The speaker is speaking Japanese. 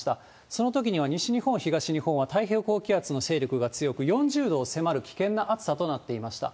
そのときには西日本、東日本は太平洋高気圧の勢力が強く、４０度に迫る危険な暑さとなっていました。